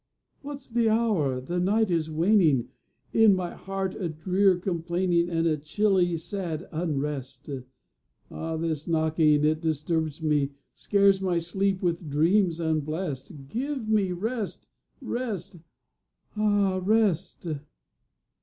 What's the hour? The night is waning, In my heart a drear complaining, And a chilly, sad unrest! Ah, this knocking! It disturbs me, Scares my sleep with dreams unblest! Give me rest, Rest, ah, rest!